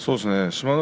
志摩ノ